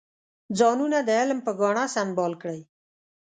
ځانونه د علم په ګاڼه سنبال کړئ.